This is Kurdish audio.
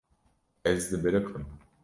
Ez dibiriqim.